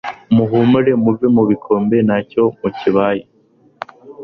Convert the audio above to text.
muhumure muve mu bikombe ntacyo mukibaye.''